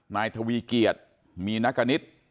นายนักอนิษฐ์